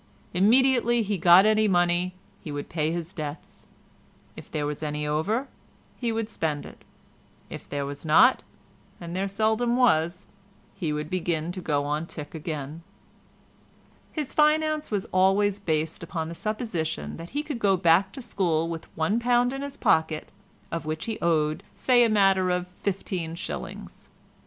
Immediately he got any money he would pay his debts; if there was any over he would spend it; if there was not—and there seldom was—he would begin to go on tick again. His finance was always based upon the supposition that he should go back to school with £1 in his pocket—of which he owed say a matter of fifteen shillings.